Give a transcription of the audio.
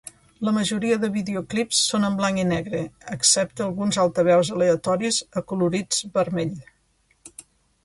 La majoria de videoclips són en blanc i negre excepte alguns altaveus aleatoris acolorits vermell.